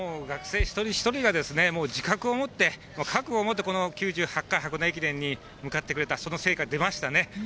学生一人一人が自覚を持って、覚悟を持って、この９８回箱根駅伝に向かってくれた、その成果が出ましたね。